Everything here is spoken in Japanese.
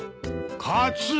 カツオ！